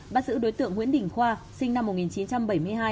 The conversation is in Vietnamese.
bắt giữ đối tượng nguyễn đình khoa sinh năm một nghìn chín trăm bảy mươi hai